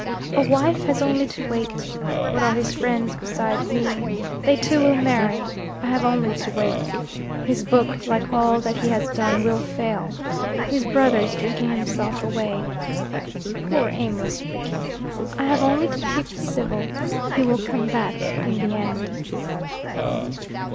"A wife has only to wait. What are his friends beside me? They too will marry. I have only to wait. His book, like all that he has done, will fail. His brother is drinking himself away. Poor aimless Rickie! I have only to keep civil. He will come back in the end."